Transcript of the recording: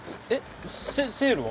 セセールは？